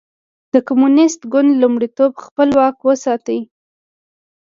د کمونېست ګوند لومړیتوب خپل واک وساتي.